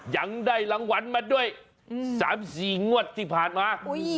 ยังได้รางวัลมาด้วย๓๔งวดที่ผ่านมา